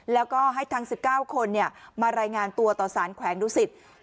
แล้วก็ให้ทั้ง๑๙คนมารายงานตัวต่อสารแขวงดุสิต